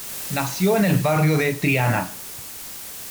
Nació en el barrio de Triana.